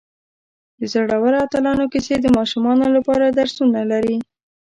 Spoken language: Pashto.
د زړورو اتلانو کیسې د ماشومانو لپاره درسونه لري.